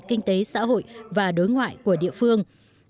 kinh tế xã hội và đối ngoại của địa phương